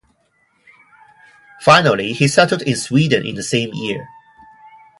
Finally he settled in Sweden in the same year.